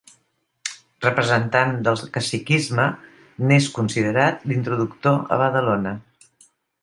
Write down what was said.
Representant del caciquisme, n'és considerat l'introductor a Badalona.